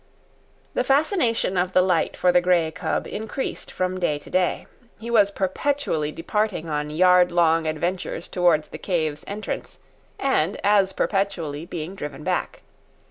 The fascination of the light for the grey cub increased from day to day. He was perpetually departing on yard long adventures toward the cave's entrance, and as perpetually being driven back.